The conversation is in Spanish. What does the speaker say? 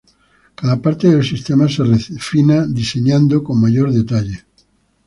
Cada parte del sistema se refina diseñando con mayor detalle.